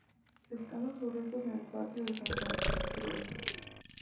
Descansan sus restos en el patio de Santa Gertrudis.